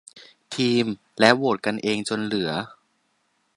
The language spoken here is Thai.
ทีมและโหวดกันเองจนเหลือ